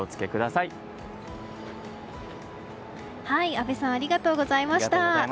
阿部さんありがとうございました。